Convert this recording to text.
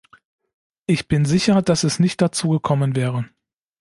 Ich bin sicher, dass es nicht dazu gekommen wäre.